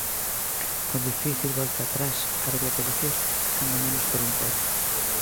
Con difícil volta atrás, habería que dicir, cando menos por un tempo.